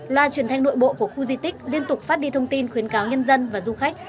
loa truyền thanh nội bộ của khu di tích liên tục phát đi thông tin khuyến cáo nhân dân và du khách